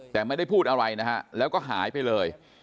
แต่ไม่ได้พูดอะไรนะฮะแล้วก็หายไปเลย